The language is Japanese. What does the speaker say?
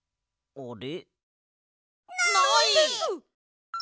あれ？